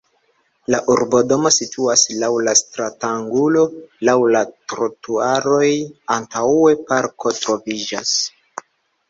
La urbodomo situas laŭ stratangulo laŭ la trotuaroj, antaŭe parko troviĝas.